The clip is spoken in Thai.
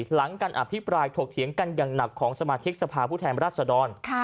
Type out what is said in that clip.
หลังการอภิปรายถกเถียงกันอย่างหนักของสมาชิกสภาพผู้แทนรัศดร